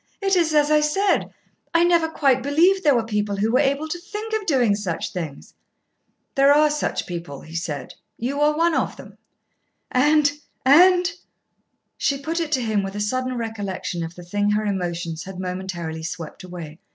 "It is as I said. I never quite believed there were people who were able to think of doing such things." "There are such people," he said. "You are one of them." "And and " She put it to him with a sudden recollection of the thing her emotions had momentarily swept away.